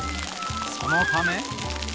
そのため。